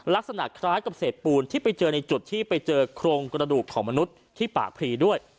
ลักษณะคล้ายกับเศษปูนที่ไปเจอในจุดที่ไปเจอโครงกระดูกของมนุษย์ที่ปากพรีด้วย